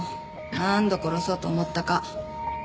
何度殺そうと思ったか。